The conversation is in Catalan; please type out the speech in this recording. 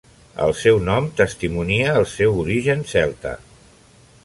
El seu nom testimonia el seu origen celta.